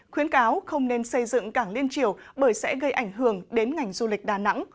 khuyến cáo không nên xây dựng cảng liên triều bởi sẽ gây ảnh hưởng đến ngành du lịch đà nẵng